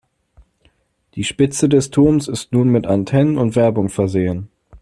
Die Spitze des Turms ist nun mit Antennen und Werbung versehen.